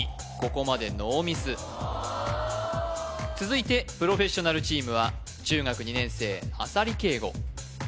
ここまでノーミス続いてプロフェッショナルチームは中学２年生浅利圭吾